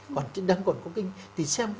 còn đang còn có kinh thì xem